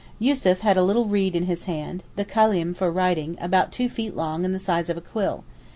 Yussuf had a little reed in his hand—the kalem for writing, about two feet long and of the size of a quill.